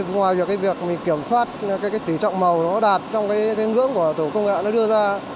ngoài việc kiểm soát tỷ trọng màu nó đạt trong nguyên dưỡng của tổ công nghệ nó đưa ra